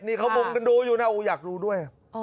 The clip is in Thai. นี่เขามุงกันดูอยู่นะอยากดูด้วย